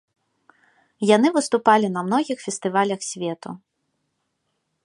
Яны выступалі на многіх фестывалях свету.